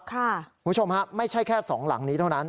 คุณผู้ชมฮะไม่ใช่แค่สองหลังนี้เท่านั้น